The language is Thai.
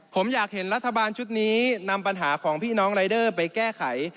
ผมอยากเห็นรัฐบาลชุดนี้นำปัญหาของพี่น้องรายเดอร์ไปแก้ไข